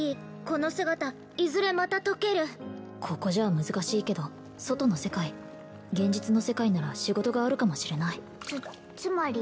この姿いずれまた溶けるここじゃ難しいけど外の世界現実の世界なら仕事があるかもしれないつつまり？